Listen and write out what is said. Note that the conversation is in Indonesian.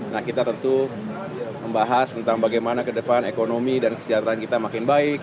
nah kita tentu membahas tentang bagaimana ke depan ekonomi dan kesejahteraan kita makin baik